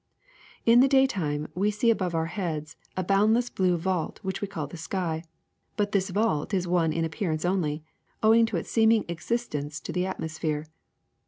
*^In the daytime we see above our heads a bound less blue vault which we call the sky ; but this vault is one in appearance only, owing its seeming exist ence to the atmosphere.